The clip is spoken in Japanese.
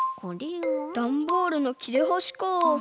ダンボールのきれはしか。